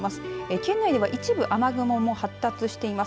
県内では一部雨雲も発達してます。